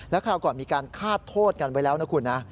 คราวก่อนมีการฆาตโทษกันไว้แล้วนะคุณนะ